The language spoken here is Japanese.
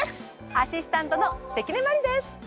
アシスタントの関根麻里です。